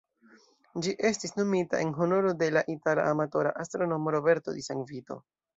Ĝi estis nomita en honoro de la itala amatora astronomo "Roberto di San Vito".